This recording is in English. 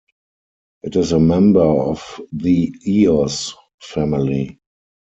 It is a member of the Eos family.